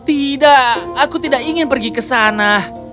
tidak aku tidak ingin pergi ke sana